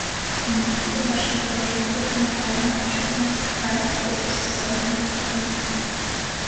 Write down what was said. Im Juli beherrschten die deutschen Truppen nach eigener Einschätzung „kein größeres zusammenhängendes Gebiet mehr“.